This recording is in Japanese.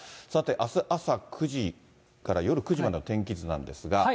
さて、あす朝９時から夜９時までの天気図なんですが。